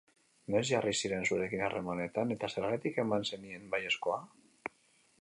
Noiz jarri ziren zurekin harremanetan, eta zergatik eman zenien baiezkoa?